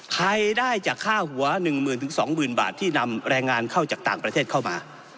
ใครได้จากค่าหัว๑๐๐๐๒๐๐๐บาทที่นำแรงงานเข้าจากต่างประเทศเข้ามา